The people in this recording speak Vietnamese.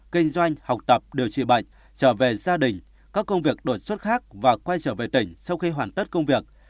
kinh doanh học tập điều trị bệnh trở về gia đình các công việc đột xuất khác và quay trở về tỉnh sau khi hoàn tất công việc